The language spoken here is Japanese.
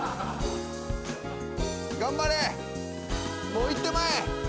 もういってまえ！